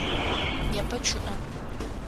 Непэ чъыӏэ.